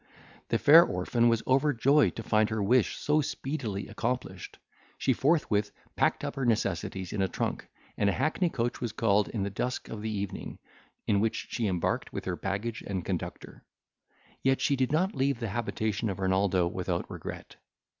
The fair orphan was overjoyed to find her wish so speedily accomplished. She forthwith packed up her necessaries in a trunk; and a hackney coach was called in the dusk of the evening, in which she embarked with her baggage and conductor. Yet she did not leave the habitation of Renaldo without regret.